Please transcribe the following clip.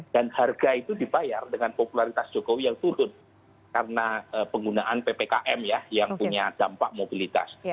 dan harga itu dibayar dengan popularitas jokowi yang turun karena penggunaan ppkm yang punya dampak mobilitas